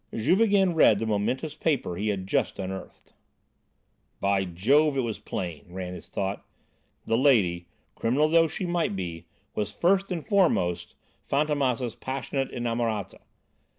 Juve again read the momentous paper he had just unearthed. "By Jove, it was plain," ran his thought, "the lady, criminal though she might be, was first and foremost Fantômas' passionate inamorata.